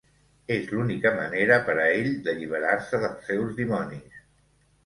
És l'única manera per a ell d’alliberar-se dels seus dimonis.